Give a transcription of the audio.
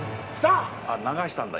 流したんだ。